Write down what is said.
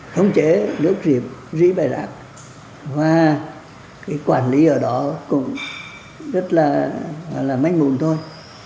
khống chế nước rỉ bài rạc và cái quản lý ở đó cũng rất là mách mùn thôi